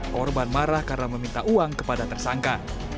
korban marah karena meminta uang kepada tersangka